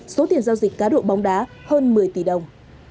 số tiền giao dịch cá độ bóng đá hơn một mươi tỷ đồng